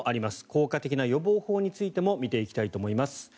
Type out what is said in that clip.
効果的な予防法についても見ていきたいと思います。